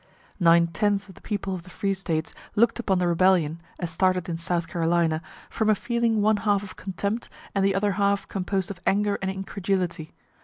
Nine tenths of the people of the free States look'd upon the rebellion, as started in South Carolina, from a feeling one half of contempt, and the other half composed of anger and incredulity.